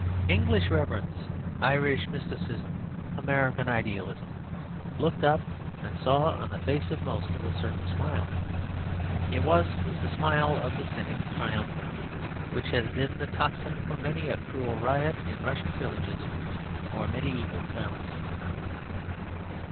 English reverence, Irish mysticism, American idealism, looked up and saw on the face of Moses a certain smile. It was that smile of the Cynic Triumphant, which has been the tocsin for many a cruel riot in Russian villages or mediaeval towns.